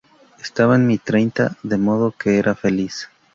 Estaba en mi treintena, de modo que era feliz.